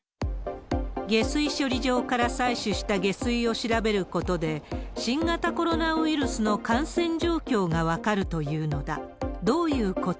下水処理場から採取した下水を調べることで、新型コロナウイルスの感染状況が分かるというのだ。